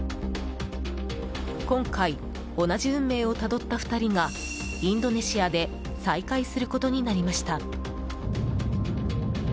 今回、同じ運命をたどった２人がインドネシアで再会することになりました。